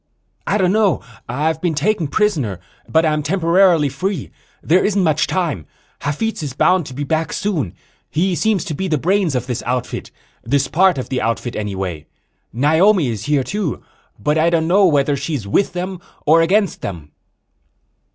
"I don't know. I've been taken prisoner, but I'm temporarily free. There isn't much time. Hafitz is bound to be back soon. He seems to be the brains of this outfit this part of the outfit, anyway. Naomi is here, too, but I don't know whether she's with them or against them."